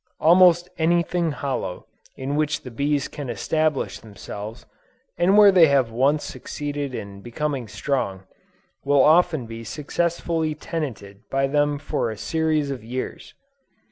Almost any thing hollow, in which the bees can establish themselves, and where they have once succeeded in becoming strong, will often be successfully tenanted by them for a series of years.